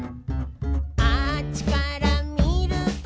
「あっちからみると」